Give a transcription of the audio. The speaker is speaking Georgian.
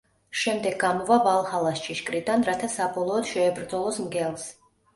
შემდეგ გამოვა ვალჰალას ჭიშკრიდან, რათა საბოლოოდ შეებრძოლოს მგელს.